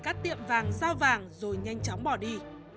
các tiệm vàng giao vàng rồi nhanh chóng bỏ đi